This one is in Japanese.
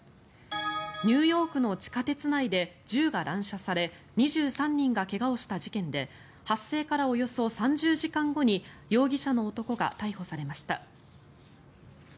ニューヨークの地下鉄内で銃が乱射され２３人が怪我をした事件で発生からおよそ３０時間後に容疑者の男が逮捕されました。